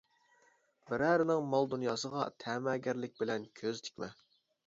بىرەرىنىڭ مال-دۇنياسىغا تەمەگەرلىك بىلەن كۆز تىكمە.